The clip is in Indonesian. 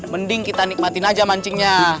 mending kita nikmatin aja mancingnya